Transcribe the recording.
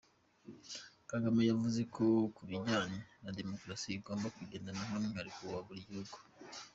Kagame yavuze ko ku bijyanye na demokarasi, igomba kugendana n’umwihariko wa buri gihugu.